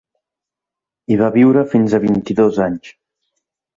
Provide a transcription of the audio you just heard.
Hi va viure fins a vint-i-dos anys.